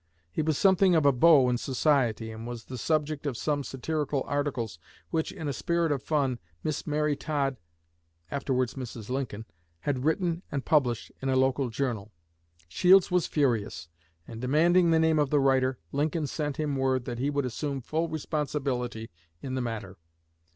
He was something of a beau in society, and was the subject of some satirical articles which, in a spirit of fun, Miss Mary Todd (afterwards Mrs. Lincoln) had written and published in a local journal. Shields was furious, and, demanding the name of the writer, Lincoln sent him word that he would assume full responsibility in the matter.